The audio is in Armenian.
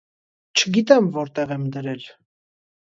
չգիտեմ որտեղ եմ դրել…